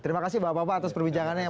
terima kasih bapak bapak atas perbincangannya